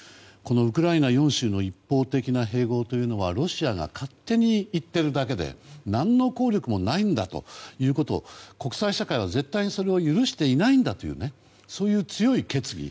ウクライナ４州の一方的な併合というのはロシアが勝手に言ってるだけで何の効力もないんだということを国際社会は絶対にそれを許していないんだというそういう強い決意。